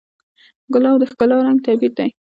ګلاب د ښکلا رنګین تعبیر دی.